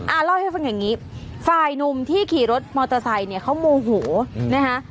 เล่าให้ฟังอย่างนี้ฝ่ายหนุ่มที่ขี่รถมอเตอร์ไซค์เนี่ยเขาโมโหนะคะ